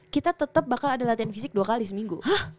kita tetap bakal ada latihan fisik dua kali seminggu